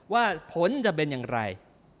ว่าผลจะเป็นอย่างไร